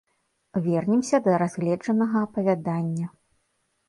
Вернемся да разгледжанага апавядання.